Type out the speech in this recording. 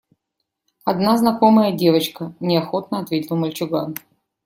Одна знакомая девочка, – неохотно ответил мальчуган.